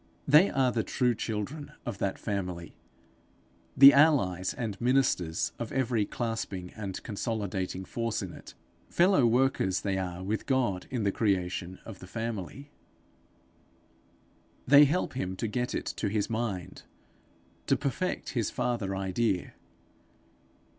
They are the true children of that family, the allies and ministers of every clasping and consolidating force in it; fellow workers they are with God in the creation of the family; they help him to get it to his mind, to perfect his father idea.